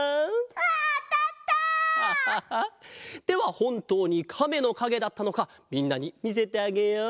アハハではほんとうにカメのかげだったのかみんなにみせてあげよう。